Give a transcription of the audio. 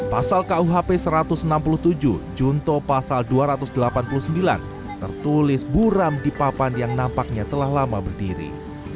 pasal kuhp satu ratus enam puluh tujuh junto pasal dua ratus delapan puluh sembilan tertulis buram di papan yang nampaknya telah lama berdiri